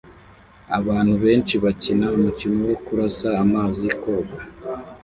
Abantu benshi bakina umukino wo kurasa amazi koga